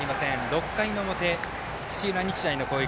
６回の表、土浦日大の攻撃。